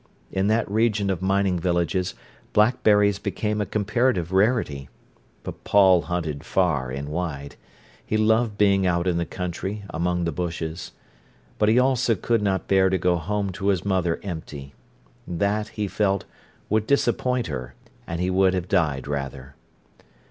In that region of mining villages blackberries became a comparative rarity. But Paul hunted far and wide. He loved being out in the country, among the bushes. But he also could not bear to go home to his mother empty. That, he felt, would disappoint her, and he would have died rather.